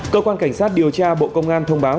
cơ quan cảnh sát điều tra bộ công an thông báo